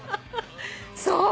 そう。